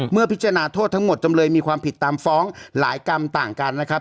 เมื่อพิจารณาโทษทั้งหมดจำเลยมีความผิดตามฟ้องหลายกรรมต่างกันนะครับ